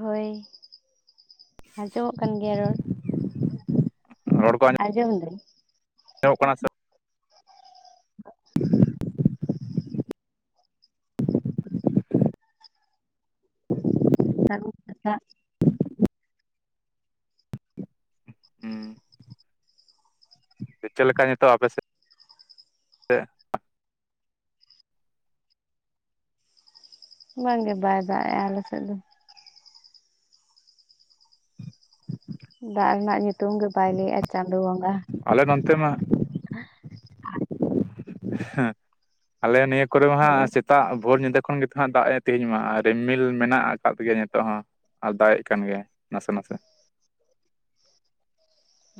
ᱦᱳᱭ ᱟᱸᱡᱚᱢᱚᱜ ᱠᱟᱱ ᱜᱮᱭᱟ ᱨᱚᱲ᱾ [inaudible] ᱨᱚᱲ ᱠᱚ ᱟᱸᱡᱚᱢ ᱟᱸᱡᱚᱢ ᱮᱫᱟᱹᱧ, ᱟᱸᱡᱚᱢᱚᱜ ᱠᱟᱱᱟ ᱥᱮ? [inaudible] ᱦᱮᱸ ᱜᱚᱝ [unintelligible] ᱠᱟᱛᱷᱟᱜ ᱪᱮ ᱪᱮᱫ ᱞᱮᱠᱟ ᱱᱤᱛᱚᱜ ᱟᱯᱮ ᱥᱮᱫ? ᱵᱟᱝ ᱜᱮ ᱵᱟᱭ ᱫᱟᱜ ᱮᱜᱼᱟ ᱟᱞᱮ ᱥᱮᱫ ᱫᱚ᱾ ᱫᱟᱜ ᱨᱮᱱᱟᱜ ᱧᱩᱛᱩᱢ ᱜᱮ ᱵᱟᱭ ᱞᱟᱹᱭᱮᱜᱼᱟ ᱪᱟᱸᱫᱚ ᱵᱚᱸᱜᱟ? ᱟᱞᱮ ᱱᱚᱱᱛᱮ ᱢᱟ ᱟᱸ [inaudible] ᱦᱮᱸ ᱟᱞᱮ ᱱᱤᱭᱟᱹ ᱠᱚᱨᱮ ᱢᱟ ᱦᱟᱸᱜ ᱦᱳᱭ ᱥᱮᱛ- ᱛᱟᱜ ᱵᱷᱳᱨ ᱧᱤᱫᱟᱹ ᱠᱷᱚᱱ ᱜᱮ ᱛᱚ ᱦᱟᱸᱜ ᱫᱟᱜ ᱮ ᱛᱮᱦᱮᱧ ᱢᱟ ᱟ ᱨᱤᱢᱤᱞ ᱢᱮᱱᱟᱜ ᱟᱠᱟᱫ ᱜᱮᱭᱟ ᱱᱤᱛᱚᱜ ᱦᱚᱸ᱾ ᱟᱨ ᱫᱟᱜᱼᱮᱜ ᱠᱟᱱ ᱜᱮᱭᱟᱭ ᱱᱟᱥᱮ ᱱᱟᱥᱮ᱾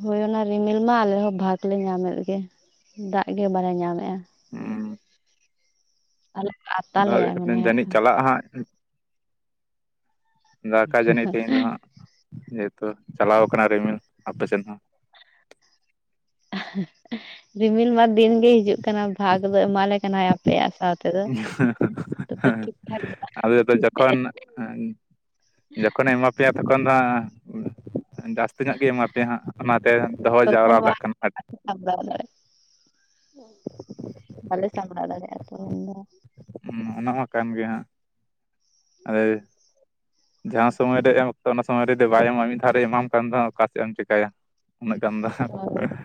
ᱦᱳᱭ ᱚᱱᱟ ᱨᱤᱢᱤᱞ ᱢᱟ ᱟᱞᱮ ᱦᱚᱸ ᱵᱷᱟᱜᱽ ᱞᱮ ᱧᱟᱢᱮᱫ ᱜᱮ, ᱫᱟᱜ ᱜᱮ ᱵᱟᱞᱮ ᱧᱟᱢᱼᱮᱜᱼᱟ᱾ ᱦᱩᱸ᱾ ᱟᱞᱮ, ᱟᱯ- ᱟᱫᱚ ᱦᱚᱭ ᱠᱟᱹᱴᱤᱱ ᱡᱟᱹᱱᱤᱡ ᱪᱟᱞᱟᱜᱼᱟ ᱦᱟᱸᱜ ᱫᱟᱠᱟ ᱡᱟᱹᱱᱤᱡ ᱛᱮᱦᱤᱧ ᱫᱚ ᱦᱟᱸᱜ ᱡᱮᱦᱮᱛᱩ ᱪᱟᱞᱟᱣ ᱟᱠᱟᱱᱟ ᱨᱤᱢᱤᱞ ᱟᱯᱮᱥᱮᱱ ᱦᱚᱸ᱾ [unintelligible] ᱨᱤᱢᱤᱞ ᱢᱟ ᱫᱤᱱ ᱜᱮ ᱦᱤᱡᱩᱜ ᱠᱟᱱᱟ, ᱵᱷᱟᱜᱽ ᱫᱚ ᱮᱢᱟ ᱞᱮ ᱠᱟᱱᱟᱭ ᱟᱯᱮᱭᱟᱜ ᱥᱟᱶ- ᱛᱮᱫᱚ [unintelligible] ᱛᱚᱵᱮ ᱦᱮᱸ, ᱴᱷᱤᱠ ᱴᱷᱟᱠ ᱟᱫᱚ ᱡᱚᱛᱚ ᱡᱚᱠᱷᱚᱱ ᱦᱮᱸᱻᱱ ᱡᱚᱠᱷᱚᱱᱮ ᱮᱢᱟ ᱯᱮᱭᱟ ᱛᱚᱠᱷᱚᱱ ᱫᱚ ᱦᱟᱸᱜ [unintelligible] ᱡᱟᱥ ᱛᱤᱱᱟᱹᱜ ᱜᱮ ᱮᱢᱟ ᱯᱮᱭᱟ ᱦᱟᱸᱜ ᱚᱱᱟᱛᱮ ᱫᱚᱦᱚ ᱛᱚᱠᱷᱚᱱ ᱡᱟᱣᱨᱟ ᱢᱟ ᱠᱟᱜ ᱠᱟᱱᱟ [unintelligible] ᱵᱟᱞᱮ ᱥᱟᱢᱲᱟᱣ ᱫᱟᱲᱮᱭᱟᱜᱼᱟ ᱛᱚ ᱩᱱᱫᱚ᱾ ᱩᱸ ᱚᱱᱟᱢᱟ ᱠᱟᱱ ᱜᱮᱭᱟ ᱦᱟᱸᱜ᱾ ᱟᱫᱮ ᱡᱟᱦᱟᱸ ᱥᱚᱢᱚᱭ ᱨᱮ ᱮᱢ ᱚᱠᱛᱚ ᱚᱱᱟ ᱥᱚᱢᱚᱭ ᱨᱮ ᱡᱩᱫᱤ ᱵᱟᱭ ᱮᱢ ᱢᱟ ᱢᱤᱫ ᱫᱷᱟᱣ ᱨᱮ ᱮᱢᱟᱢ ᱠᱷᱟᱱ ᱫᱚ ᱦᱟᱸᱜ ᱚᱠᱟᱥᱮᱫ ᱮᱢ ᱪᱮᱠᱟᱭᱟ? ᱩᱱᱟᱹᱜ ᱜᱟᱱ ᱫᱚ ᱦᱳᱭ [unintelligible]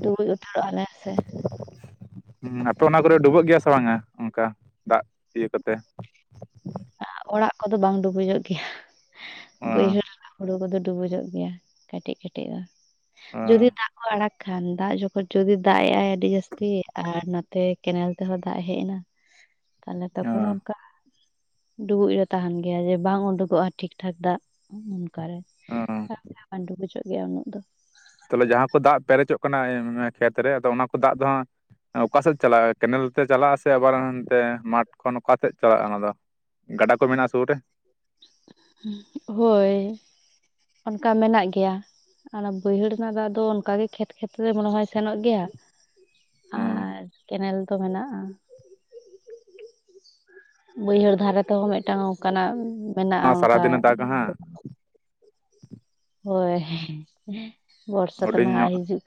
ᱰᱩᱵᱩᱡ ᱩᱛᱟᱹᱨᱚᱜ ᱟᱞᱮ ᱥᱮ, ᱦᱩᱸ ᱟᱯᱮ ᱚᱱᱟ ᱠᱚᱨᱮ ᱰᱩᱵᱟᱹᱜ ᱜᱮᱭᱟ ᱥᱮ ᱵᱟᱝᱼᱟ ᱚᱱᱠᱟ ᱫᱟᱜ ᱤᱭᱟᱹ ᱠᱚᱛᱮ? ᱟ ᱚᱲᱟᱜ ᱠᱚᱫᱚ ᱵᱟᱝ ᱰᱩᱵᱩᱡᱚᱜ ᱜᱮᱭᱟ ᱚᱸ ᱵᱟᱹᱭᱦᱟᱹᱲ ᱨᱮᱱᱟᱜ ᱦᱩᱲᱩ ᱠᱚᱫᱚ ᱰᱩᱵᱩᱡᱚᱜ ᱜᱮᱭᱟ᱾ ᱠᱟᱹᱴᱤᱡ ᱠᱟᱹᱴᱤᱡ ᱫᱚ ᱡᱩᱫᱤ ᱚᱸ ᱫᱟᱜ ᱠᱚ ᱟᱲᱟᱜᱽ ᱠᱷᱟᱱ ᱫᱟᱜ ᱡᱚᱠᱷᱚᱡ ᱡᱩᱫᱤ ᱫᱟᱜ ᱮᱜᱼ ᱟᱭ ᱟᱹᱰᱤ ᱡᱟᱹᱥᱛᱤ ᱟᱨ ᱱᱚᱛᱮ ᱠᱮᱱᱟᱞ ᱛᱮᱦᱚᱸ ᱫᱟᱜ ᱦᱮᱜ ᱮᱱᱟ [inaudible] ᱛᱟᱦᱮᱞᱮ ᱛᱚᱠᱷᱚᱱ ᱚᱸ ᱚᱱᱠᱟ ᱰᱩᱵᱩᱡ ᱨᱮ ᱛᱟᱦᱮᱸᱱ ᱜᱮᱭᱟ ᱡᱮ ᱵᱟᱝ ᱩᱰᱩᱠᱚᱜᱼᱟ ᱴᱷᱤᱠ ᱴᱷᱟᱠ ᱫᱟᱜ ᱩᱸ ᱚᱠᱟᱨᱮ ᱚᱸ [unintelligible] ᱰᱩᱵᱩᱡᱚᱜ ᱜᱮᱭᱟ ᱩᱱᱟᱹᱜ ᱫᱚ᱾ ᱛᱟᱦᱞᱮ ᱡᱟᱦᱟᱸ ᱠᱚ ᱫᱟᱜ ᱯᱮᱨᱮᱡᱚᱜ ᱠᱟᱱᱟ ᱠᱷᱮᱛᱨᱮ ᱟᱫᱚ ᱚᱱᱟ ᱠᱚ ᱫᱟᱜ ᱫᱚ ᱦᱟᱸᱜ ᱚᱠᱟ ᱥᱮᱫ ᱪᱟᱞᱟᱜᱼᱟ ᱠᱮᱱᱮᱞ ᱛᱮ ᱪᱟᱞᱟᱜ ᱟᱥ ᱟᱵᱟᱨ ᱦᱟᱱᱛᱮ ᱢᱟᱴᱷ ᱠᱷᱚᱱ ᱚᱠᱟ ᱥᱮᱫ ᱪᱟᱞᱟᱜᱼᱟ ᱚᱱᱟ ᱫᱚ? ᱜᱟᱰᱟ ᱠᱚ ᱢᱮᱱᱟᱜᱼᱟ ᱥᱩᱨ ᱨᱮ? ᱦᱳᱭ ᱚᱱᱠᱟ ᱢᱮᱱᱟᱜ ᱜᱮᱭᱟ᱾ ᱚᱱᱟ ᱵᱟᱹᱭᱦᱟᱹᱲ ᱨᱮᱱᱟᱜ ᱫᱟᱜ ᱫᱚ ᱚᱱᱠᱟᱜ ᱜᱮ ᱠᱷᱮᱛ ᱠᱷᱮᱛᱨᱮ ᱢᱚᱱᱮ ᱦᱚᱭ ᱥᱮᱱᱚᱜ ᱜᱮᱭᱟ, ᱦᱩᱸ ᱟᱨ ᱠᱮᱱᱮᱞ ᱫᱚ ᱢᱮᱱᱟᱜᱼᱟ᱾ ᱵᱟᱹᱭᱦᱟᱹᱲ ᱫᱷᱟᱨᱮ ᱛᱮᱦᱚᱸ ᱢᱤᱫᱴᱟᱱ ᱚᱝᱠᱟᱱᱟᱜ ᱢᱮᱱᱟᱜᱼᱟ ᱚᱝᱠᱟ ᱥᱟᱨᱟᱫᱤᱱᱮ ᱫᱟᱜᱟ ᱦᱟᱸᱜ [inaudible] ᱦᱳᱭ ᱵᱚᱨᱥᱟ ᱛᱚ ᱦᱩᱰᱤᱧ ᱱᱟᱦᱟᱸᱜ ᱧᱚᱜ ᱦᱤᱡᱩᱜ ᱠᱟᱱᱟ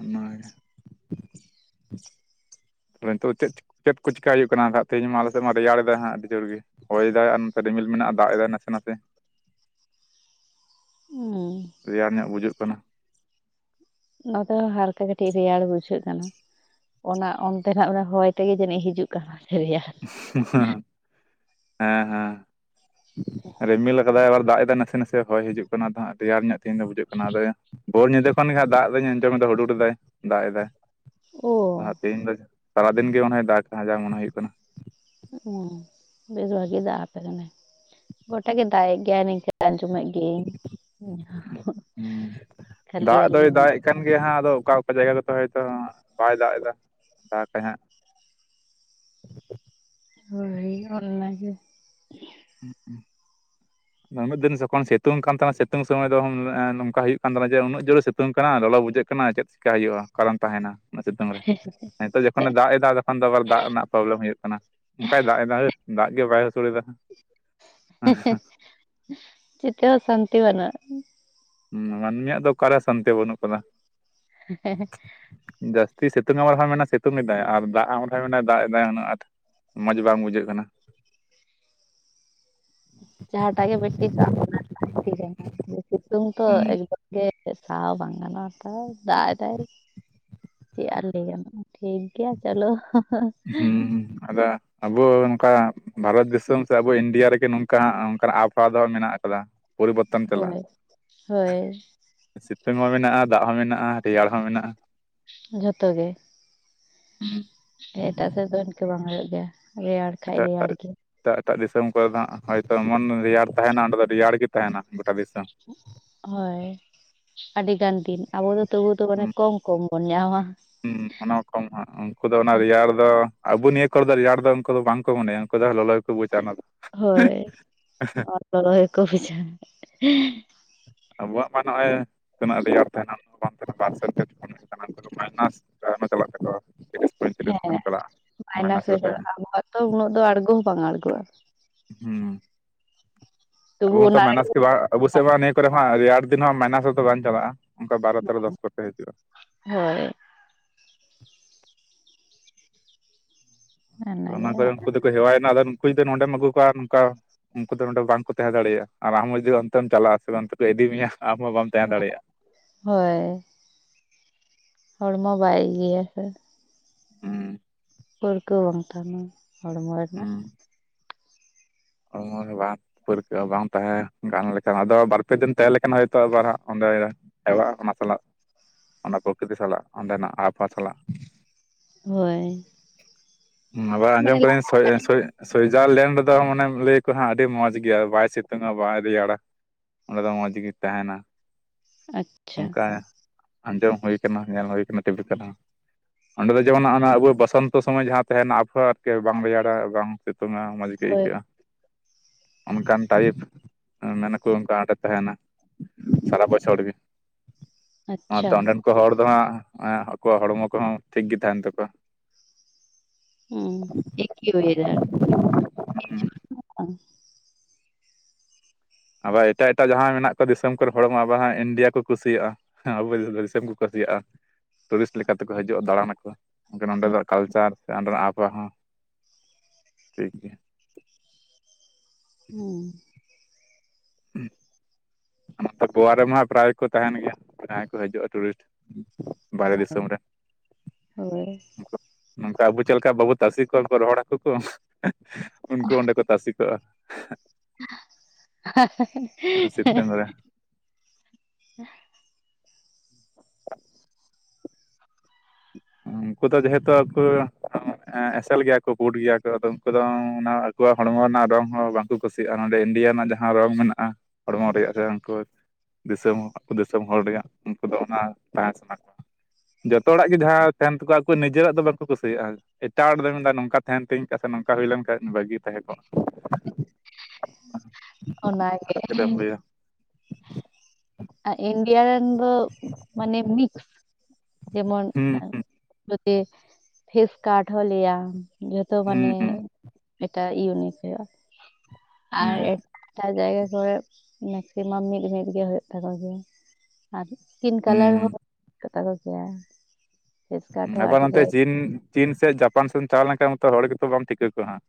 ᱚᱱᱟᱜᱮ ᱛᱟᱦᱞᱮ ᱱᱤᱛᱚᱜ ᱫᱚ ᱪᱮᱫ ᱪᱮᱫ ᱠᱚ ᱪᱤᱠᱟ ᱦᱩᱭᱩᱜ ᱠᱟᱱᱟ ᱛᱮᱦᱮᱧ ᱢᱟ ᱟᱞ ᱥᱮᱫ ᱢᱟ ᱨᱮᱭᱟᱲᱮᱫᱟ ᱦᱟᱸᱜ ᱟᱹᱰᱤ ᱡᱳᱨ ᱜᱮ᱾ ᱦᱚᱭ ᱮᱫᱟᱭ ᱟᱨ ᱱᱚᱛᱮ ᱨᱤᱢᱤᱞ ᱢᱮᱱᱟᱜᱼᱟ ᱫᱟᱜ ᱮᱫᱟᱭ ᱱᱟᱥᱮ ᱱᱟᱥᱮ᱾ ᱩᱸ᱾ ᱨᱮᱭᱟᱲ ᱧᱚᱜ ᱵᱩᱡᱷᱟᱹᱜ ᱠᱟᱱᱟ᱾ ᱱᱚᱛᱮ ᱦᱚᱸ ᱦᱟᱨᱠᱮ ᱠᱟᱹᱴᱤᱡ ᱨᱮᱭᱟᱲ ᱵᱩᱡᱷᱟᱹᱜ ᱠᱟᱱᱟ᱾ ᱚᱱᱟ ᱚᱱᱛᱮᱱᱟᱜ ᱦᱚᱭ ᱛᱮᱜᱮ ᱡᱟᱹᱱᱤᱡ ᱦᱤᱡᱩᱜ ᱠᱟᱱᱟ ᱨᱮᱭᱟᱲ᱾ ᱦᱩᱸ ᱦᱟᱸ ᱦᱮᱸ ᱦᱮᱸ᱾ ᱨᱤᱢᱤᱞ ᱠᱟᱫᱟᱭ ᱮᱵᱟᱨ ᱫᱟᱜ ᱮᱫᱟᱭ ᱱᱟᱥᱮ ᱱᱟᱥᱮ ᱦᱚᱭ ᱦᱤᱡᱩᱜ ᱠᱟᱱᱟ ᱛᱚ ᱦᱟᱸᱜ ᱨᱮᱭᱟᱨ ᱧᱚᱜ ᱛᱮᱦᱤᱧ ᱫᱚ ᱵᱩᱡᱩᱜ ᱠᱟᱱᱟ ᱟᱫᱚ ᱵᱳᱨ ᱧᱤᱫᱟᱹ ᱠᱷᱚᱱ ᱜᱮ ᱦᱟᱸ ᱫᱟᱜ ᱮᱫᱟᱹᱧ ᱟᱸᱡᱚᱢ ᱮᱟ ᱦᱩᱰᱩᱨ ᱮᱟᱭ ᱫᱟᱜ ᱮᱫᱟᱭ᱾ ᱳ [unintelligible] ᱛᱮᱦᱮᱧ ᱫᱚ ᱥᱟᱨᱟᱫᱤᱱ ᱜᱮ ᱢᱚᱱᱮ ᱫᱟᱜ ᱠᱟᱭ ᱡᱟᱦᱟ ᱢᱚᱱᱮ ᱦᱩᱭᱩᱜ ᱠᱟᱱᱟ᱾ ᱚ ᱵᱮᱥ ᱵᱷᱟᱜᱤ ᱫᱟᱜ ᱟᱯᱮ ᱠᱟᱱᱟᱭ, ᱜᱚᱴᱟᱜ ᱜᱮ ᱫᱟᱜᱫ ᱜᱮᱭᱟᱭ ᱱᱤᱝᱠ ᱟᱸᱡᱚᱢᱮᱫ ᱜᱮ ᱭᱟᱹᱧ ᱦᱩᱸ ᱠᱷᱟᱹᱟᱞ ᱟᱞᱮ [unintelligible] ᱡᱟᱦᱟᱸ ᱟᱫᱚ ᱚᱠᱟ ᱚᱠᱟ ᱡᱟᱭᱜᱟ ᱨᱮᱛᱚ ᱦᱚᱭᱛᱳ ᱵᱟᱭ ᱫᱟᱜ ᱮᱫᱟ ᱫᱟᱜᱟᱭ ᱦᱟᱸᱜ᱾ [inaudible] ᱵᱷᱟᱹᱜᱤ ᱜᱮ ᱚᱱᱟ ᱜᱮ᱾ [inaudible] ᱩᱱᱟᱹᱜ ᱫᱤᱱ ᱡᱚᱠᱷᱚᱱ ᱥᱤᱛᱩᱝ ᱠᱟᱱ ᱛᱟᱦᱮᱸᱱᱟ ᱥᱤᱛᱩᱝ ᱥᱚᱢᱚᱭ ᱫᱚ ᱮᱸ ᱱᱚᱝᱠᱟ ᱦᱩᱭᱩᱜ ᱠᱟᱱ ᱛᱟᱦᱮᱸᱱᱟ ᱡᱮ ᱩᱱᱟᱹᱜ ᱡᱨᱮ ᱥᱤᱛᱩᱝ ᱠᱟᱱᱟ ᱞᱚᱞᱚ ᱵᱩᱡᱷᱟᱹᱜ ᱠᱟᱱᱟ ᱪᱮᱫ ᱠᱟ ᱦᱩᱭᱩᱜᱼᱟ ᱚᱠᱟᱨᱮᱢ ᱛᱟᱦᱮᱸᱱᱟ ᱩᱱᱟᱹᱜ ᱥᱤᱛᱩᱝ ᱨᱮ? ᱱᱤᱛᱳ ᱡᱚᱠᱷᱚᱱᱮ ᱫᱟᱜ ᱮᱫᱟ ᱛᱚᱠᱷᱚᱱ ᱫᱚ ᱟᱵᱟᱨ ᱫᱟᱜ ᱨᱮᱱᱟᱜ ᱯᱨᱚᱵᱞᱮᱢ ᱦᱩᱭᱩᱜ ᱠᱟᱱᱟ᱾ ᱚᱱᱠᱟᱭ ᱫᱟᱜ ᱮᱫᱟ ᱦᱳᱭ ᱫᱟᱜ ᱜᱮ ᱵᱟᱭ ᱟᱹᱥᱳᱲᱮᱫᱟ᱾ ᱪᱮᱫ ᱛᱮᱦᱚᱸ ᱥᱟᱹᱱᱛᱤ ᱵᱟᱹᱱᱩᱜᱼᱟ᱾ ᱦᱩᱸ ᱢᱟᱹᱱᱢᱤᱭᱟᱜ ᱫᱚ ᱚᱠᱟᱨᱮ ᱥᱟᱱᱛᱤ ᱵᱟᱹᱱᱩᱜ ᱠᱟᱫᱟ᱾ [unintelligible] ᱡᱟᱹᱥᱛᱤ ᱥᱤᱛᱩᱝ ᱟᱢ ᱨᱮᱦᱚᱸ ᱢᱮᱱᱟ ᱥᱤᱛᱩᱝ ᱮᱫᱟᱭ ᱟᱨ ᱫᱟᱜ ᱟᱢ ᱨᱮᱦᱚᱸ ᱢᱮᱱᱟ ᱫᱟᱜ ᱮ ᱫᱟᱭ ᱩᱱᱟᱹ ᱟᱸᱴ ᱢᱚᱸᱡ ᱵᱟᱝ ᱵᱩᱡᱷᱟᱹᱜ ᱠᱟᱱᱟ᱾ ᱡᱟᱦᱟᱸᱴᱟᱜ ᱜᱮ [inaudible] ᱴᱷᱤᱠ [inaudible] ᱥᱤᱛᱩᱝ ᱛᱚ ᱦᱩᱸ ᱮᱠᱫᱚᱢ ᱜᱮ ᱥᱟᱦᱟᱣ ᱵᱟᱝ ᱜᱟᱱᱚᱜᱼᱟ ᱛᱟᱣ ᱫᱟᱜ ᱮᱫᱟᱭ᱾ ᱪᱮᱜ ᱟᱨ ᱞᱟᱹᱭ ᱟᱢ ᱴᱷᱤᱠ ᱜᱮᱭᱟ ᱪᱚᱞᱚ ᱦᱩᱸ ᱦᱩᱸ ᱟᱫᱚ ᱟᱵᱚ ᱱᱚᱝᱠᱟ ᱵᱷᱟᱨᱚᱛ ᱫᱤᱥᱚᱢ ᱥᱮ ᱟᱵᱚ ᱤᱱᱰᱤᱭᱟ ᱨᱮᱜᱮ ᱱᱚᱝᱠᱟ ᱱᱚᱝᱠᱱᱟᱜ ᱟᱵᱚᱦᱟᱣᱟ ᱫᱚ ᱢᱮᱱᱟᱜ ᱠᱟᱫᱟ᱾ ᱯᱚᱨᱤᱵᱚᱨᱛᱚᱱ ᱪᱟᱞᱟᱜᱼᱟ᱾ ᱦᱳᱭ ᱦᱳᱭ ᱥᱤᱛᱩᱝ ᱦᱚᱸ ᱢᱮᱱᱟᱜᱼᱟ, ᱫᱟᱜ ᱦᱚᱸ ᱢᱮᱱᱟᱜᱼᱟ, ᱨᱮᱭᱟᱲ ᱦᱚᱸ ᱢᱮᱱᱟᱜᱼᱟ, ᱡᱷᱚᱛᱚ ᱜᱮ᱾ ᱦᱩᱸ᱾ ᱮᱴᱟᱜ ᱥᱮᱫ ᱫᱚ ᱤᱱᱠᱟᱹ ᱵᱟᱝ ᱦᱩᱭᱩᱜ ᱜᱮᱭᱟ ᱨᱮᱭᱟᱲ ᱠᱷᱟᱡ ᱮᱴᱟᱜ ᱮᱴᱟᱜ ᱨᱮᱭᱟᱲ ᱜᱮ᱾ ᱮᱴᱟᱜ ᱮᱴᱟᱜ ᱫᱤᱥᱚᱢ ᱠᱚᱨᱮ ᱫᱚ ᱦᱟᱸᱜ ᱦᱚᱭᱛᱚ ᱮᱢᱚᱱ ᱨᱮᱭᱟᱲ ᱛᱟᱦᱮᱱᱟ ᱚᱸᱰᱮ ᱫᱚ ᱨᱮᱭᱟᱲ ᱜᱮ ᱛᱟᱦᱮᱱᱟ ᱜᱚᱴᱟ ᱫᱤᱥᱚᱢ ᱦᱳᱭ ᱟᱹᱰᱤ ᱜᱟᱱ ᱫᱤᱱ ᱟᱵᱚ ᱫᱚ ᱛᱚᱵᱩ ᱫᱚ ᱢᱟᱱᱮ ᱠᱚᱢ ᱠᱚᱢ ᱵᱚᱱ ᱧᱟᱢᱟ ᱾ ᱦᱩ ᱚᱱᱟ ᱠᱷᱚᱱ ᱩᱱᱠᱩ ᱫᱚ ᱚᱱᱟ ᱨᱮᱭᱟᱲ ᱟᱫᱚ ᱟᱵᱚ ᱱᱤᱭᱟᱹ ᱠᱚᱨᱮ ᱫᱚ ᱨᱮᱭᱟᱲ ᱫᱚ ᱩᱱᱠᱩ ᱫᱚ ᱵᱟᱝᱠᱚ ᱢᱚᱱᱮᱭᱟ ᱩᱱᱠᱩ ᱫᱚ ᱞᱚᱞᱚ ᱜᱮ ᱠᱚ ᱵᱩᱡ-ᱟ ᱚᱱᱟ ᱫᱚ ᱾ ᱦᱳᱭ ᱱᱚᱣᱟ ᱞᱚᱞᱚ ᱜᱮᱠᱚ ᱵᱩᱡ-ᱟ ᱾ ᱟᱵᱚᱣᱟᱜ ᱢᱟ ᱱᱚᱜᱼᱚᱭ ᱛᱤᱱᱟᱹᱜ ᱨᱮᱭᱟᱲ ᱛᱟᱦᱮᱱᱟ ᱩᱱᱟᱹᱜ ᱵᱟᱝ ᱛᱟᱦᱮᱱᱟ ᱵᱟᱨ ᱩᱱᱠᱩ ᱫᱚ ᱢᱟᱭᱱᱟᱥ ᱟᱭᱢᱟ ᱪᱟᱞᱟᱜ ᱛᱟᱠᱚᱣᱟ ᱾ ᱦᱮᱸ ᱢᱟᱭᱱᱟᱥ ᱨᱮ ᱦᱩᱭ ᱛᱟᱦᱮᱱᱟ ᱪᱟᱞᱟᱜᱼᱟ ᱟᱵᱚᱣᱟᱜ ᱛᱚ ᱩᱱᱟᱹᱜ ᱫᱚ ᱟᱬᱜᱚ ᱦᱚᱸ ᱵᱟᱝ ᱟᱬᱜᱚᱜᱼᱟ ᱾ ᱦᱩᱸ ᱟᱵᱚ ᱛᱚᱵᱩ ᱢᱟᱛᱚ ᱚᱱᱟ ᱢᱟᱭᱱᱟᱥ ᱨᱮᱜᱮ ᱜᱮ ᱵᱟᱝ ᱟᱵᱚ ᱥᱮᱫ ᱢᱟ ᱚᱱᱮᱠ ᱠᱚᱨᱮ ᱨᱮᱭᱟᱲ ᱫᱤᱱ ᱦᱚᱸ ᱢᱟᱭᱱᱟᱥ ᱨᱮᱫᱚ ᱵᱟᱝ ᱪᱟᱞᱟᱜᱼᱟ ᱚᱱᱠᱟ ᱵᱟᱨᱚ ᱛᱮᱨᱚ ᱫᱚᱥ ᱠᱚᱛᱮ ᱦᱤᱡᱩᱜᱼᱟ ᱾ ᱦᱳᱭ ᱚᱱᱟᱜᱮ ᱚᱱᱟ ᱠᱚᱨᱮ ᱩᱱᱠᱩ ᱫᱚᱠᱚ ᱦᱮᱣᱟᱭᱮᱱᱟ ᱟᱫᱚ ᱩᱱᱠᱩ ᱡᱚᱫᱤ ᱱᱚᱰᱮᱢ ᱟᱹᱜᱩ ᱠᱚᱣᱟ ᱱᱚᱝᱠᱟ ᱩᱱᱠᱩ ᱫᱚ ᱱᱚᱸᱰᱮ ᱵᱟᱝᱠᱚ ᱛᱟᱦᱮᱸ ᱫᱟᱲᱮᱭᱟᱜᱼᱟ ᱟᱨ ᱟᱢ ᱦᱚᱸ ᱡᱩᱫᱤ ᱚᱱᱛᱮᱢ ᱪᱟᱞᱟᱜᱼᱟ ᱥᱮ ᱚᱱᱛᱮ ᱠᱚ ᱤᱫᱤ ᱢᱮᱭᱟ ᱟᱢᱦᱚᱸ ᱵᱟᱢ ᱛᱟᱦᱮᱸ ᱫᱟᱲᱮᱭᱟᱜᱼᱟ᱾ ᱦᱳᱭ ᱦᱚᱲᱢᱚ ᱵᱟᱭ ᱤᱭᱟᱹᱭᱟ ᱥᱮ ᱦᱩᱸ ᱯᱟᱹᱨᱠᱟᱹᱣ ᱵᱟᱝ ᱛᱟᱦᱮᱱᱟ ᱦᱚᱲᱢᱚ ᱨᱮᱱᱟᱜ [inaudible] ᱯᱟᱹᱨᱠᱟᱹᱣ ᱵᱟᱝ ᱛᱟᱦᱮᱸ ᱜᱟᱱ ᱞᱮᱠᱷᱟᱱ ᱟᱫᱚ ᱵᱟᱨᱯᱮ ᱫᱤᱱ ᱛᱟᱦᱮᱸ ᱞᱮᱠᱷᱟᱱ ᱦᱚᱭᱛᱚ ᱟᱵᱟᱨ ᱦᱟᱜ ᱚᱸᱰᱮ [inaudible] ᱚᱱᱟ ᱥᱟᱞᱟᱜ ᱚᱱᱟ ᱯᱨᱚᱠᱨᱤᱛᱤ ᱥᱟᱞᱟᱜ ᱚᱸᱰᱮᱱᱟᱜ ᱟᱵᱚᱦᱟᱣᱟ ᱥᱟᱞᱟᱜ ᱦᱳᱭ ᱾ ᱟᱵᱟᱨ ᱢᱟᱱᱮ ᱟᱸᱡᱚᱢ [inaudible] ᱥᱩᱭ ᱥᱩᱭ ᱥᱩᱭᱡᱟᱨᱞᱮᱱᱰ ᱨᱮᱫᱚ ᱢᱟᱱᱮ ᱞᱟᱹᱭ ᱠᱚ ᱦᱟᱸᱜ ᱟᱹᱰᱤ ᱢᱚᱸᱡᱽ ᱜᱮᱭᱟ ᱵᱟᱭ ᱥᱤᱛᱩᱝᱼᱟ ᱵᱟᱭ ᱨᱮᱭᱟᱲᱟ ᱚᱸᱰᱮ ᱫᱚ ᱢᱚᱸᱡᱽ ᱜᱮ ᱛᱟᱦᱮᱱᱟ ᱾ ᱟᱪᱪᱷᱟ ᱚᱱᱠᱟ ᱟᱸᱡᱚᱢ ᱦᱩᱭ ᱠᱟᱱᱟ ᱧᱮᱞ ᱦᱩᱭ ᱠᱟᱱᱟ ᱴᱤᱵᱤ ᱠᱚᱨᱮ ᱦᱚᱸ ᱾ ᱚᱸᱰᱮ ᱫᱚ ᱡᱮᱢᱚᱱ ᱦᱚᱸ-ᱱᱚᱣᱟ ᱟᱵᱚᱣᱟᱜ ᱵᱚᱥᱚᱱᱛᱚ ᱥᱚᱢᱚᱭ ᱡᱟᱦᱟᱸ ᱛᱟᱦᱮᱱᱟ ᱟᱵᱚᱦᱟᱣ ᱟᱨᱠᱤ ᱵᱟᱝ ᱨᱮᱭᱟᱲᱟ ᱵᱟᱝ ᱥᱤᱛᱩᱝᱼᱟ ᱾ ᱢᱚᱡᱽ ᱜᱮ ᱦᱳᱭ ᱟᱹᱭᱠᱟᱹᱜᱼᱟ ᱾ ᱚᱱᱠᱟᱱ ᱴᱟᱭᱤᱯ ᱢᱮᱱᱟᱠᱚ ᱚᱱᱠᱟ ᱚᱸᱰᱮ ᱛᱟᱦᱮᱱᱟ ᱾ ᱥᱟᱨᱟ ᱵᱚᱪᱷᱚᱨ ᱜᱮ ᱾ ᱟᱪᱪᱷᱟ ᱟᱱᱟᱛᱮ ᱚᱸᱰᱮᱱ ᱠᱚ ᱦᱚᱲ ᱫᱚ ᱦᱟᱸᱜ ᱟᱠᱚᱣᱟᱜ ᱦᱚᱲᱢᱚ ᱠᱚᱦᱚᱸ ᱴᱷᱤᱠ ᱜᱮ ᱛᱟᱦᱮᱱ ᱛᱟᱠᱚᱣᱟ ᱾ ᱦᱩᱸ ᱮᱠᱤ ᱚᱭᱮᱫᱟᱨ ᱾ ᱟᱵᱟᱨ ᱮᱴᱟᱜ ᱮᱴᱟᱜ ᱡᱟᱦᱟᱸ ᱢᱮᱱᱟᱜ ᱠᱚᱣᱟ ᱫᱤᱥᱚᱢ ᱠᱚᱨᱮᱱ ᱦᱚᱲ ᱢᱟ ᱟᱵᱟᱨ ᱦᱟᱸᱜ ᱤᱱᱰᱤᱭᱟ ᱠᱚ ᱠᱩᱥᱤᱭᱟᱜᱼᱟ ᱾ ᱟᱵᱚ ᱫᱤᱥᱚᱢ ᱠᱚ ᱠᱩᱥᱤᱭᱟᱜᱼᱟ ᱴᱩᱨᱤᱥᱴ ᱞᱮᱠᱟᱛᱮᱠᱚ ᱦᱤᱡᱩᱜᱼᱟ ᱫᱟᱬᱟᱱ ᱟᱠᱚ ᱾ ᱦᱟᱰᱮᱸ ᱱᱟᱸᱰᱮᱱᱟᱜ ᱠᱟᱞᱪᱟᱨ ᱥᱮ ᱚᱸᱰᱮᱱᱟᱜ ᱟᱵᱚᱦᱟᱣ ᱦᱚᱸ ᱴᱷᱤᱠ ᱜᱮᱭᱟ ᱾ ᱦᱩᱸ [unintelligible] ᱜᱷᱳᱣᱟ ᱨᱮᱢᱟ ᱯᱨᱟᱭ ᱠᱚ ᱛᱟᱦᱮᱱ ᱜᱮᱭᱟ ᱡᱟᱦᱟᱸᱭ ᱠᱚ ᱦᱤᱡᱩᱜᱼᱟ ᱴᱩᱨᱤᱥᱴ ᱾ ᱵᱟᱭᱨᱮ ᱫᱤᱥᱚᱢ ᱨᱮ ᱦᱳᱭ ᱦᱳᱭ ᱱᱚᱝᱠᱟ ᱟᱵᱚ ᱪᱮᱫ ᱞᱮᱠᱟ ᱵᱟᱵᱩ ᱛᱟᱥᱮ ᱠᱚᱣᱟ ᱠᱚ ᱨᱚᱦᱚᱲ ᱦᱟᱠᱩ ᱠᱚ ᱩᱱᱠᱩ ᱚᱸᱰᱮ ᱠᱚ ᱛᱟᱥᱮ ᱠᱚᱜᱼᱟ, [unintelligible] ᱥᱤᱛᱩᱝ ᱨᱮ, ᱩᱱᱠᱩ ᱫᱚ ᱡᱮ ᱦᱩᱛᱩ ᱟᱠᱚ ᱮᱥᱮᱞ ᱜᱮᱭᱟ ᱠᱚ ᱯᱩᱴ ᱜᱮᱭᱟ ᱠᱚ ᱟᱫᱚ ᱩᱱᱠᱩ ᱫᱚ ᱚᱱᱟ ᱟᱠᱚᱣᱟᱜ ᱦᱚᱲ ᱢᱚ ᱨᱮᱱᱟᱜ ᱨᱚᱝ ᱦᱚᱸ ᱵᱟᱝ ᱠᱚ ᱠᱩᱥᱤᱭᱟᱜᱼᱟ ᱱᱚᱸᱰᱮ ᱤᱱᱰᱤᱭᱟ ᱨᱮᱱᱟᱜ ᱡᱟᱦᱟᱸ ᱨᱚᱝ ᱢᱮᱱᱟᱜᱼᱟ ᱦᱚᱲᱢᱚ ᱨᱮᱭᱟᱜ ᱥᱮ ᱩᱱᱠᱩ ᱫᱤᱥᱚᱢ ᱫᱤᱥᱚᱢ ᱦᱚᱲ ᱨᱮᱭᱟᱜ ᱩᱱᱠᱩ ᱫᱚ ᱚᱱᱟ ᱛᱟᱦᱮᱸ ᱥᱟᱱᱟ ᱠᱚᱣᱟ, ᱡᱚᱛᱚ ᱦᱚᱲᱟᱜ ᱜᱮ ᱡᱟᱦᱟᱸ ᱛᱟᱦᱮᱱ ᱛᱟᱠᱚᱣᱟ ᱟᱠᱚᱣᱟᱜ ᱱᱤᱡᱮ ᱨᱟᱜ ᱫᱚ ᱵᱟᱝ ᱠᱚ ᱠᱩᱥᱤ ᱭᱟᱜᱼᱟ ᱾ ᱮᱴᱟᱜ ᱦᱚᱲ ᱫᱚᱭ ᱢᱮᱱ ᱫᱟ ᱱᱚᱝᱠᱟ ᱛᱟᱦᱮᱱ ᱛᱤᱧ ᱠᱷᱟᱡ ᱥᱮ ᱱᱚᱝ ᱠᱟ ᱦᱩᱭ ᱞᱮᱱ ᱠᱷᱟᱡ ᱵᱷᱟᱹᱜᱤ ᱛᱟᱦᱮᱸ ᱠᱚᱜᱼᱟ᱾ ᱚᱱᱟᱜᱮ ᱪᱮᱫ ᱮᱢ ᱞᱟᱹᱭᱟ ᱟᱨ ᱤᱱᱰᱤᱭᱟ ᱨᱮᱱ ᱫᱚ ᱢᱟᱱᱮ ᱢᱤᱠᱥ ᱡᱮᱢᱚᱱᱼᱼ ᱦᱩᱸ ᱦᱩᱸ ᱡᱚᱛᱤ ᱯᱷᱮᱥ ᱠᱟᱴ ᱦᱚᱸ ᱞᱟᱹᱭᱟ ᱡᱟᱛᱮ ᱦᱩᱸ ᱢᱟᱱᱮᱼᱼ ᱦᱩᱸ ᱮᱴᱟᱜ ᱤᱭᱩᱱᱤᱠ ᱦᱩᱭᱩᱜᱼᱟ ᱟᱨ ᱦᱩᱸ ᱮᱴᱟ ᱡᱟᱭᱜᱟ ᱠᱚ ᱨᱮᱼᱼ ᱢᱮᱠ ᱥᱤᱢᱟᱢ ᱢᱤᱫ ᱢᱤᱫ ᱜᱮ ᱦᱩᱭᱩᱜ ᱛᱟᱠᱚ ᱜᱮᱭᱟ ᱟᱨ ᱯᱤᱠ ᱠᱟᱞᱟᱨ ᱦᱩᱸ ᱦᱚᱸ ᱠᱟᱛᱟ ᱠᱚ [unintelligible] ᱟᱵᱟᱨ ᱱᱚᱛᱮ ᱪᱤᱱ ᱪᱤᱱ ᱥᱮ ᱡᱟᱯᱟᱱ ᱥᱮᱫ ᱪᱟᱞᱟᱣ ᱞᱮᱱ ᱠᱷᱟᱱ ᱛᱚ ᱦᱚᱲ ᱜᱮ ᱛᱚ ᱵᱟᱢ ᱴᱷᱤᱠᱟᱹ ᱠᱚᱣᱟ ᱦᱟᱸᱠ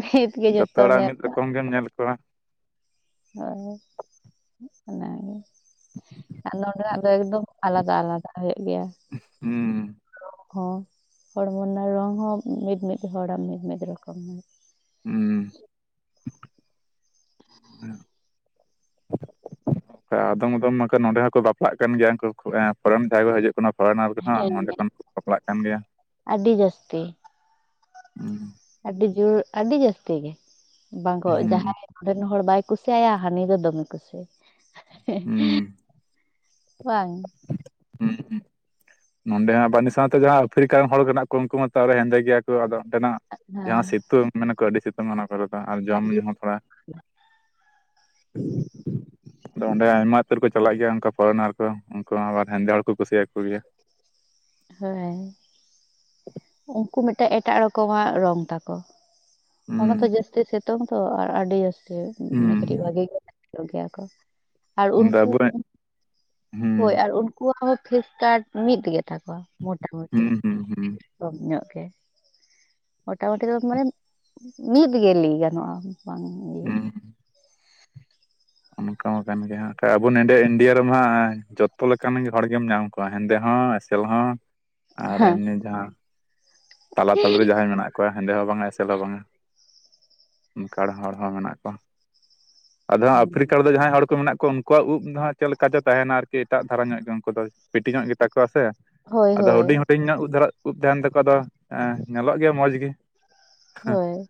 ᱱᱤᱛ ᱜᱮ ᱡᱷᱚᱛᱚ ᱡᱚᱛᱚᱢ ᱦᱚᱲ ᱦᱟᱜ ᱧᱮᱞ ᱢᱤᱫ ᱠᱟᱜ ᱨᱚᱠᱚᱢ ᱜᱮᱢ ᱧᱮᱞ ᱠᱚᱣᱟ᱾ ᱦᱳᱭ ᱚᱱᱟ ᱜᱮᱼᱼ ᱟᱨ ᱱᱚᱸᱰᱮ ᱱᱟᱜ ᱫᱚ ᱮᱠᱫᱚᱢ ᱟᱞᱟᱫᱟ ᱟᱞᱟᱫᱟ ᱦᱳᱭᱳᱜ ᱜᱮᱭᱟ᱾ ᱦᱩᱸ ᱦᱚᱸ ᱦᱚᱲ ᱢᱚ ᱨᱮᱱᱟᱜ ᱨᱚᱝ ᱦᱚᱸ ᱢᱤᱫ ᱢᱤᱫ ᱦᱚᱲ ᱟᱜ ᱢᱤᱫ ᱨᱚᱠᱚᱢ ᱦᱩᱸ [inaudible] [inaudible] ᱟᱫᱚᱢ ᱟᱫᱚᱢ ᱱᱟᱠᱷᱟᱡ ᱱᱚᱸᱰᱮ ᱦᱚᱸᱠᱚ ᱵᱟᱯᱞᱟᱜ ᱠᱟᱱ ᱜᱮᱭᱟ ᱩᱱ ᱯᱷᱚ ᱨᱮᱱ ᱡᱟᱭᱜᱟ ᱠᱚ ᱦᱤᱡᱩᱜ ᱠᱟᱱᱟ᱾ ᱯᱦᱳᱨᱮᱱᱟᱨ ᱠᱚᱦᱚ ᱦᱮᱸ ᱱᱚᱰᱮ ᱜᱷᱚᱱ ᱠᱚ ᱵᱟᱯᱞᱟᱜ ᱱᱚᱸᱰᱮ ᱠᱷᱚᱱ ᱥᱟᱯᱲᱟᱜ ᱠᱟᱱ ᱜᱮᱭᱟ ᱟᱹᱰᱤ ᱡᱟᱹᱥᱛᱤ ᱦᱩᱸ ᱟᱹᱰᱤ ᱡᱳᱨ ᱟᱹᱰᱤ ᱡᱟᱹᱥ ᱛᱤ ᱜᱮ ᱵᱟᱝ ᱠᱚ ᱦᱩᱸ ᱡᱟᱦᱟᱸᱭᱼᱼ ᱚᱰᱮ ᱨᱮᱱ ᱦᱚᱲ ᱵᱟᱭ ᱠᱩᱥᱤ ᱟᱭᱟ ᱦᱟᱹᱱᱤ ᱫᱚ ᱫᱚ ᱢᱮ ᱠᱩᱥᱤ [inaudible] ᱦᱩᱸ ᱵᱟᱝ ᱦᱩᱸ ᱦᱩᱸ ᱱᱚᱸᱰᱮ ᱦᱚᱸ ᱚᱹᱱᱤ ᱥᱟᱶᱛᱮ ᱡᱟᱦᱟᱸᱭ ᱟᱯᱷᱨᱤᱠᱟ ᱨᱮᱱ ᱦᱚᱲ ᱢᱮᱱᱟᱜ ᱠᱚᱣᱟ ᱩᱱᱠᱩ ᱦᱚᱛᱚ ᱦᱮᱸᱫᱮ ᱜᱮᱭᱟ ᱠᱚ ᱟᱫᱚᱼᱼ ᱚᱸᱰᱮ ᱱᱟᱜ ᱦᱮᱸ ᱡᱟᱦᱟᱸ ᱥᱤᱛᱩᱝ ᱢᱮᱱᱟ ᱠᱚ ᱟᱹᱰᱤ ᱥᱤᱛᱩᱝ ᱠᱚ ᱟᱨ ᱡᱚᱢ ᱟᱹᱰᱤ ᱧᱩ ᱦᱚᱸ ᱛᱷᱚᱲᱟ᱾ ᱟᱫᱚ ᱚᱸᱰᱮ ᱟᱭᱢᱟ ᱩᱛᱟᱹᱨ ᱠᱚ ᱪᱟᱞᱟᱜ ᱜᱮᱭᱟ ᱚᱱᱠᱟ ᱯᱷᱚᱨᱮᱱᱟᱨ ᱠᱚ ᱩᱱᱠᱩ ᱟᱵᱟᱨ ᱦᱮᱸᱫᱮ ᱦᱚᱲ ᱠᱚ ᱠᱩᱥᱤ ᱭᱟᱠᱚ ᱜᱮᱭᱟ᱾ ᱦᱳᱭ ᱩᱱᱠᱩ ᱢᱤᱫ ᱴᱟᱝ ᱮᱴᱟᱜ ᱨᱚᱠᱚᱢ ᱟᱜ ᱨᱚᱝ ᱛᱟᱠᱚ᱾ ᱦᱩᱸ ᱚᱱᱟ ᱫᱚ ᱡᱟᱹᱥᱛᱤ ᱥᱤᱛᱩᱝ ᱛᱚ ᱟᱨ ᱟᱹᱰᱤ ᱡᱟᱹᱥᱛᱤ ᱦᱩᱸ ᱠᱟᱹᱴᱤᱡ ᱵᱷᱟᱜᱤ ᱜᱮᱭᱟ ᱠᱚᱼᱼ ᱚᱰᱮ ᱟᱵᱚ ᱨᱮᱱᱼᱼ ᱦᱚᱢ ᱦᱳᱭ ᱟᱨ ᱩᱱᱠᱩ ᱣᱟᱜ ᱦᱚᱸ ᱯᱷᱮᱥ ᱴᱟᱜ ᱢᱤᱫ ᱜᱮᱛᱟ ᱠᱚᱣᱟ ᱢᱚᱴᱟ ᱢᱩᱴᱤ᱾ ᱦᱩᱸ ᱦᱩᱸ ᱦᱩᱸ ᱠᱚᱢ ᱧᱚᱜ ᱜᱮᱼᱼ ᱢᱚᱴᱟ ᱢᱩᱴᱤ ᱫᱚ ᱢᱟᱱᱮ ᱢᱤᱫ ᱜᱮ ᱞᱟᱹᱭ ᱜᱟᱱᱚᱜᱼᱟ ᱵᱟᱝ ᱤᱭᱟᱹ ᱦᱮᱸᱻ ᱚᱱᱠᱟ ᱠᱟᱱ ᱜᱮᱭᱟ ᱦᱟᱸᱜ ᱟᱵᱚ ᱱᱚᱰᱮ ᱤᱱᱰᱤᱭᱟ ᱨᱮᱢᱟᱸᱜ ᱡᱚᱛᱚ ᱞᱮᱠᱟᱱ ᱦᱚᱲ ᱜᱮᱢ ᱧᱟᱢ ᱠᱚᱣᱟ ᱦᱮᱸᱫᱮ ᱦᱚᱸ ᱮᱥᱮᱼᱼ [unintelligible] ᱟᱨ ᱦᱮᱸ ᱮᱢᱱᱤ ᱡᱟᱦᱟᱸ ᱛᱟᱞᱟ ᱛᱟᱞᱤ ᱨᱮ ᱡᱟᱦᱟᱸᱭ ᱢᱮᱱᱟᱜᱼᱼ ᱠᱩᱣᱟ ᱦᱮᱸᱫᱮ ᱦᱚᱸ ᱵᱟᱝ ᱟ ᱮᱥᱮᱞ ᱦᱚᱸ ᱵᱟᱝ ᱟ ᱚᱱᱠᱟ ᱦᱚᱲ ᱦᱚᱸ ᱢᱮᱱᱟᱜ ᱠᱚᱣᱟ᱾ ᱟᱫᱚ ᱟᱯᱷᱨᱤᱠᱟ ᱨᱮᱫᱚ ᱡᱟᱦᱟᱸᱭ ᱦᱚᱲ ᱠᱚ ᱢᱮᱱᱟᱜ ᱠᱚᱣᱟ ᱩᱱᱼᱼ ᱟᱠᱚᱣᱟᱜ ᱩᱵ ᱫᱚ ᱦᱟᱸᱜ ᱪᱮᱫ ᱞᱮᱠᱟ ᱪᱚ ᱛᱟᱦᱮᱱᱟ ᱟᱨᱠᱤ ᱮᱴᱟᱜ ᱫᱷᱟᱨᱟ ᱧᱚᱜ ᱜᱮ ᱩᱱᱠᱩ ᱫᱚ ᱯᱤᱴᱤ ᱧᱚᱜ ᱜᱮᱛᱟ ᱠᱚᱣᱟ ᱥᱮᱼᱼ ᱦᱳᱭ ᱟᱫᱚ ᱦᱳᱭ ᱦᱩᱰᱤᱧ ᱦᱩᱰᱤᱧ ᱧᱚᱜ ᱩᱵ ᱫᱷᱟᱨᱟ ᱩᱵ ᱛᱟᱦᱮᱱ ᱛᱟᱠᱚᱣᱟ ᱟᱫᱚ ᱧᱮᱞᱚᱜ ᱜᱮᱭᱟ ᱢᱚᱸᱡᱽ ᱜᱮᱼᱼ ᱦᱳᱭ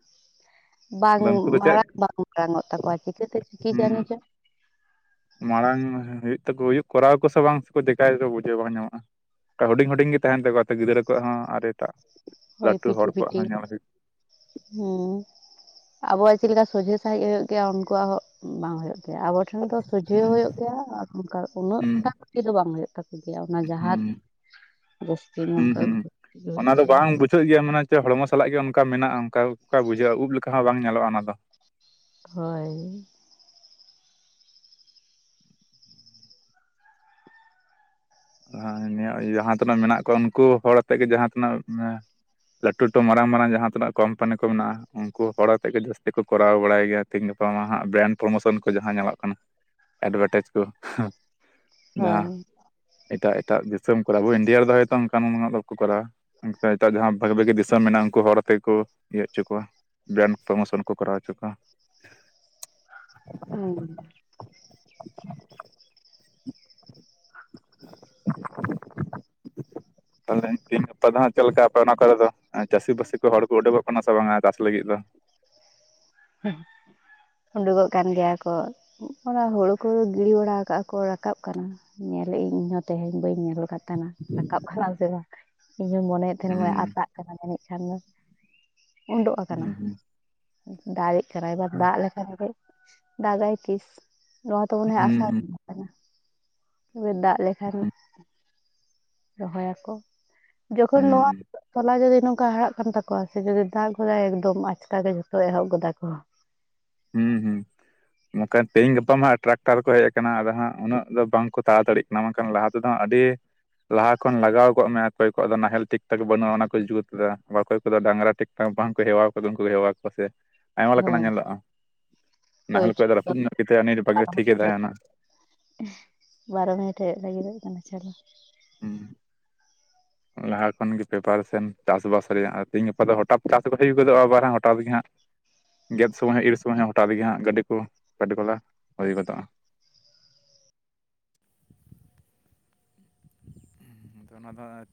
ᱵᱟᱝ ᱟᱫᱚ ᱩᱱᱠᱩ ᱫᱚ ᱪᱮᱫ ᱢᱟᱲᱟᱝ ᱵᱟᱝ ᱜᱟᱱᱚᱜ ᱛᱟᱠᱚᱣᱟ ᱪᱤᱠᱟᱹᱛᱮ ᱪᱤᱠᱤ ᱦᱩᱸ ᱡᱟᱱᱤ ᱪᱚ ᱢᱟᱲᱟᱝ ᱦᱩᱭᱩᱜ ᱛᱟᱠᱚ ᱦᱩᱭᱩᱜ ᱠᱚᱨᱟᱣ ᱟᱠᱚ ᱥᱮ ᱵᱟᱝ ᱥᱮᱠᱚ ᱫᱮᱠᱟᱭᱟ ᱠᱚ ᱵᱩᱡᱷᱟᱹᱣ ᱵᱟᱝ ᱧᱟᱢᱚᱜᱼᱟ᱾ ᱦᱩᱰᱤᱧ ᱦᱩᱰᱤᱧ ᱜᱮ ᱛᱟᱦᱮᱱ ᱛᱟᱠᱚᱣᱟᱛᱚ ᱜᱤᱫᱽᱨᱟᱹ ᱠᱚᱣᱟᱜ ᱦᱚᱸ ᱟᱨ ᱮᱴᱟᱜ ᱞᱟᱹᱴᱩ ᱦᱚᱲ ᱠᱚᱣᱟᱜ ᱦᱚᱸ ᱧᱮᱞ ᱦᱩᱭᱩᱜᱼᱼ ᱦᱮᱸ ᱟᱵᱚᱣᱟᱜ ᱪᱮᱫ ᱞᱮᱠᱟ ᱥᱚᱡᱷᱮ ᱥᱟᱦᱤᱡ ᱳᱭᱳᱜ ᱜᱮᱭᱟ ᱩᱱᱠᱩᱣᱟᱜ ᱦᱚᱸ ᱵᱟᱝ ᱦᱳᱭᱳ ᱜᱮᱭᱟ ᱟᱵᱚ᱾ ᱴᱷᱮᱱ ᱫᱚ ᱥᱚᱡᱷᱮᱣ ᱦᱩᱸ ᱦᱩᱭᱩᱜ ᱜᱮᱭᱟ ᱟᱨ ᱚᱝᱠᱟ ᱩᱱᱟᱹᱜ ᱴᱟᱠ ᱛᱤᱥ ᱦᱚᱸ ᱵᱟᱝ ᱦᱩᱭᱩᱜ ᱛᱟᱠᱚ ᱜᱮᱭᱟ ᱚᱱᱟ ᱡᱟᱦᱟᱸᱛ ᱦᱩᱸ ᱵᱚᱥᱛᱤ ᱱᱚᱝᱠᱟ ᱫᱚ ᱜᱷᱩᱛᱤ [unintelligible] ᱵᱟᱝ ᱥᱟᱹᱭ ᱜᱮᱭᱟᱢ ᱚᱱᱟ ᱪᱮ ᱦᱚᱲᱢᱚ ᱥᱟᱞᱟᱜ ᱜᱮ ᱚᱱᱠᱟ ᱢᱮᱱᱟᱜᱼᱟ, ᱚᱱᱠᱟ ᱵᱩᱡᱷᱟᱹᱜᱼᱟ ᱩᱵ ᱞᱮᱠᱟ ᱦᱚᱸ ᱵᱟᱝ ᱧᱮᱞᱚᱜᱼᱟ ᱚᱱᱟ ᱫᱚ ᱦᱳᱭ ᱦᱳᱭ ᱱᱤᱭᱟᱹ ᱡᱟᱦᱟᱸ ᱛᱤᱱᱟᱹᱜ ᱢᱮᱱᱟᱜ ᱠᱚᱣᱟ ᱩᱱᱠᱩ ᱦᱚᱲ ᱟᱛᱮᱫ ᱜᱮ ᱡᱟᱦᱟᱸ ᱛᱤᱱᱟᱹᱜ ᱞᱟᱹᱴᱩ ᱞᱟᱹᱴᱩ ᱢᱟᱨᱟᱝ ᱢᱟᱨᱟᱝ ᱡᱟᱦᱟᱸ ᱛᱤᱱᱟᱹᱜ ᱠᱳᱢᱯᱟᱱᱤ ᱠᱚ ᱢᱮᱱᱟᱜᱼᱟ ᱩᱱᱠᱩ ᱦᱚᱲ ᱟᱛᱮᱫ ᱜᱮ ᱡᱟᱹᱥᱛᱤ ᱠᱚ ᱠᱚᱨᱟᱣ ᱵᱟᱲᱟᱭ ᱜᱮᱭᱟ ᱛᱮᱦᱮᱧ ᱜᱟᱯᱟ ᱢᱟ ᱦᱟᱸᱜ ᱵᱨᱮᱱᱰ ᱯᱨᱢᱳᱥᱚᱱ ᱠᱚ ᱡᱟᱦᱟᱸ ᱧᱮᱞᱚᱜ ᱠᱟᱱ ᱮᱰᱵᱷᱮᱴᱟᱡ ᱠᱚ ᱡᱟᱦᱟᱸ ᱦᱳᱭ ᱮᱴᱟᱜ ᱮᱴᱟᱜ ᱫᱤᱥᱚᱢ ᱠᱚᱨᱮ ᱟᱵᱚ ᱤᱱᱰᱤᱭᱟ ᱨᱮᱫᱚ ᱦᱚᱭᱛᱚ ᱚᱱᱠᱟᱱᱟᱜ [unintelligible] ᱫᱚ ᱵᱟᱠᱚ ᱠᱚᱨᱟᱣᱟ ᱚᱱᱛᱮ ᱮᱴᱟᱜ ᱡᱟᱦᱟᱸ ᱵᱷᱟᱹᱜᱮ ᱵᱷᱟᱹᱜᱮ ᱫᱤᱥᱚᱢ ᱢᱮᱱᱟᱜᱼᱟ ᱩᱱᱠᱩ ᱦᱚᱲ ᱟᱛᱮᱠᱚ ᱤᱭᱟᱹ ᱦᱚᱪᱚ ᱠᱚᱣᱟ ᱵᱮᱱ ᱯᱨᱢᱳᱥᱚᱱ ᱠᱚ ᱠᱚᱨᱟᱣ ᱦᱚᱪᱚ ᱠᱚᱣᱟ ᱦᱩ ᱛᱟᱦᱚᱞᱮ ᱛᱤᱦᱤᱧ ᱜᱟᱯᱟ ᱫᱚ ᱦᱟᱸᱜ ᱪᱮᱫᱞᱮᱠᱟ ᱟᱯᱮ ᱚᱱᱟ ᱠᱚᱨᱮ ᱫᱚ? ᱟᱨ ᱪᱟᱥᱤ ᱵᱟᱥᱤ ᱠᱚ ᱦᱚᱲ ᱠᱚ ᱩᱰᱩᱠᱚᱜ ᱠᱟᱱᱟ ᱥᱮ ᱵᱟᱝᱟ ᱪᱟᱥ ᱞᱟᱹᱜᱤᱫ ᱫᱚ? ᱦᱩ ᱩᱰᱩᱠᱚᱜ ᱠᱟᱱ ᱜᱮᱭᱟ ᱠᱚ ᱚᱱᱟ ᱦᱩᱲᱩ ᱠᱚ ᱜᱤᱲᱤ ᱵᱟᱲᱟ ᱠᱟᱜᱼᱟ ᱠᱚ ᱨᱟᱠᱟᱵ ᱠᱟᱱᱟ ᱧᱮᱞᱮᱟᱹᱤᱧ ᱤᱧᱦᱚᱸ ᱛᱮᱦᱮᱧ ᱵᱟᱹᱧ ᱧᱮᱞ ᱠᱟᱫ ᱠᱟᱱᱟ, ᱨᱟᱠᱟᱵ ᱠᱟᱱᱟ ᱥᱮ ᱵᱟᱝ ᱤᱧᱦᱚᱧ ᱢᱚᱱᱮᱭᱮᱫ ᱛᱟᱦᱮᱱᱟ ᱢᱮ ᱟᱛᱟᱜ ᱠᱟᱱᱟ ᱡᱟᱹᱱᱤᱡ ᱠᱷᱟᱱ ᱫᱚ ᱩᱰᱳᱜ ᱟᱠᱟᱱᱟ ᱫᱟᱨᱮᱜ ᱠᱟᱱᱟ ᱮᱵᱟᱨ ᱫᱟᱜ ᱞᱮᱠᱷᱟᱱ ᱜᱮ ᱫᱟᱜᱟᱭ ᱛᱤᱥ ᱱᱚᱣᱟ ᱛᱚ ᱢᱚᱱᱮ ᱦᱚᱭ ᱟᱥᱟᱲ ᱵᱚᱸᱜᱟ ᱛᱚᱵᱮ ᱫᱟᱜ ᱞᱮᱠᱷᱟᱱ ᱨᱚᱦᱚᱭᱟᱠᱚ ᱡᱚᱠᱷᱚᱱ ᱱᱚᱣᱟ ᱛᱚᱞᱟ ᱡᱩᱚᱫᱤ ᱱᱚᱝᱠᱟ ᱦᱟᱨᱟᱜ ᱠᱟᱱ ᱛᱟᱠ ᱠᱚ ᱥᱮ ᱡᱩᱫᱤ ᱫᱟᱜ ᱜᱚᱫᱟᱭ ᱮᱠᱫᱚᱢ ᱟᱪᱠᱟ ᱜᱮ ᱡᱷᱚᱛᱚ ᱮᱦᱚᱵ ᱜᱚᱫᱟ ᱠᱚ ᱦᱩᱸ ᱦᱩᱸ ᱱᱚᱠᱷᱟᱱ ᱛᱮᱦᱤᱧ ᱜᱟᱯᱟ ᱢᱟ ᱴᱨᱟᱠᱴᱟᱨ ᱠᱚ ᱦᱮᱡ ᱠᱟᱱᱟ ᱟᱫᱚ ᱦᱟᱸᱜ ᱩᱱᱟᱹᱜ ᱫᱚ ᱵᱟᱝᱠᱚ ᱛᱟᱲᱟᱛᱟᱹᱲᱤᱜ ᱚᱱᱟ ᱵᱟᱝᱠᱷᱟᱱ ᱞᱟᱦᱟ ᱛᱮᱫᱚ ᱟᱹᱰᱤ ᱞᱟᱦᱟ ᱠᱷᱚᱱ ᱞᱟᱜᱟᱣ ᱠᱚᱜ ᱢᱮ ᱚᱠᱚᱭ ᱠᱚᱣᱟᱜ ᱫᱚ ᱱᱟᱦᱮᱞ ᱴᱷᱤᱠ ᱴᱷᱟᱠ ᱵᱟᱹᱱᱩᱜᱼᱟ ᱚᱱᱟ ᱠᱚ ᱡᱩᱛ ᱫᱟ ᱵᱟ ᱚᱠᱚᱭ ᱠᱚᱫᱚ ᱰᱟᱝᱨᱟ ᱴᱷᱤᱠ [unintelligible] ᱵᱟᱝ ᱠᱚ ᱦᱮᱣᱟ ᱠᱚᱫᱚ ᱩᱱᱠᱩ ᱠᱚ ᱦᱮᱣᱟ ᱠᱚᱣᱟ ᱥᱮ ᱟᱭᱢᱟ ᱞᱮᱠᱟᱱᱟᱜ ᱦᱮᱸ ᱧᱮᱞᱚᱜᱼᱟ ᱱᱟᱦᱮᱞ ᱦᱳᱭ ᱠᱚ ᱫᱚ ᱨᱟᱹᱯᱩᱫ ᱧᱚᱜ ᱜᱮᱛᱟᱭᱟ ᱩᱱᱤ ᱵᱟᱜᱮ ᱴᱷᱤᱠᱮ [inaudible] ᱛᱟᱦᱮᱱᱟ ᱵᱟᱨᱚ ᱢᱤᱱᱤᱴ ᱦᱳᱭᱳᱜ ᱞᱟᱹᱜᱤᱫᱚᱜ ᱠᱟᱱᱟ ᱪᱚᱞᱚ ᱦᱩᱸ ᱞᱟᱦᱟ ᱠᱷᱚᱱ ᱜᱮ ᱯᱮᱯᱟᱨᱥᱮᱱ ᱪᱟᱥᱵᱟᱥ ᱨᱮᱭᱟᱜ ᱛᱤᱦᱤᱧ ᱜᱟᱯᱟ ᱫᱚ ᱦᱚᱴᱟᱛ ᱪᱟᱥ ᱵᱷᱟᱜᱤ ᱜᱚᱫᱚᱜᱼᱟ ᱟᱵᱟᱨ ᱦᱚᱴᱟᱛ ᱜᱮ ᱦᱟᱸᱜ ᱜᱮᱫ ᱥᱳᱢᱚᱭ ᱦᱚᱸ ᱤᱨ ᱥᱳᱚᱢᱚᱭ ᱦᱚᱸ ᱦᱚᱴᱟᱛ ᱜᱮ ᱦᱟᱸᱜ ᱜᱟᱹᱰᱤ ᱠᱚ [unintelligible] ᱜᱚᱞᱟ ᱦᱩᱭ ᱜᱚᱫᱚᱜᱼᱟ [unintelligible] ᱚᱱᱟ ᱫᱚ